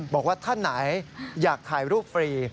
บอกว่าท่านไหนอยากถ่ายรูปฟรี